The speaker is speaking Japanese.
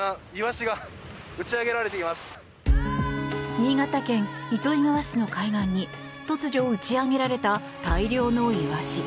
新潟県糸魚川市の海岸に突如打ち上げられた大量のイワシ。